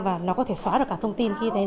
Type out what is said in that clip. và nó có thể xóa được cả thông tin